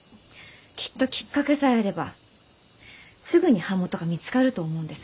きっときっかけさえあればすぐに版元が見つかると思うんです。